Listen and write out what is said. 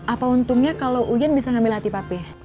apa untungnya kalau urian bisa mengambil hati papih